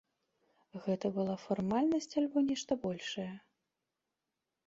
Гэта была фармальнасць альбо нешта большае?